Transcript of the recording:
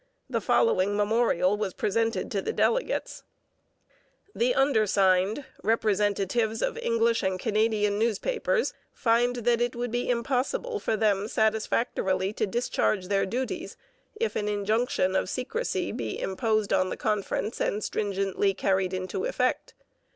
The following memorial was presented to the delegates: The undersigned, representatives of English and Canadian newspapers, find that it would be impossible for them satisfactorily to discharge their duties if an injunction of secrecy be imposed on the conference and stringently carried into effect.